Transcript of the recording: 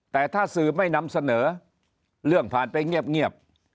แต่ถ้าสื่อไม่นำเสนอเรื่องผ่านไปเงียบ